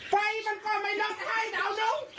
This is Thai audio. ไฟมันก็ไม่รับไห้เดี๋ยวเอาหนึ่ง